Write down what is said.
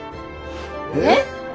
えっ！？